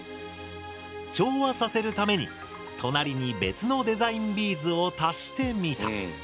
調和させるために隣に別のデザインビーズを足してみた。